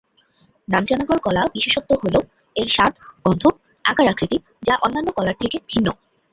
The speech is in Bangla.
নাঞ্জানাগড় কলা বিশেষত্ব হল এর স্বাদ, গন্ধ, আকার-আকৃতি যা অন্যান্য কলার থেকে ভিন্ন।